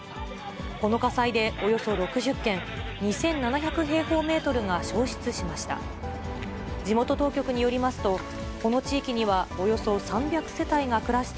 この火災でおよそ６０軒、２７００平方メートルが焼失しました。